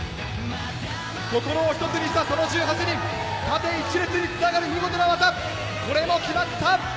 心を１つにしたその１８人、縦１列につながる見事な技も決まった。